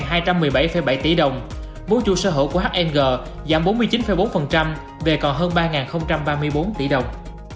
hmg lỗ gần hai hai trăm một mươi bảy bảy tỷ đồng bố chu sở hữu của hmg giảm bốn mươi chín bốn về còn hơn ba ba mươi bốn tỷ đồng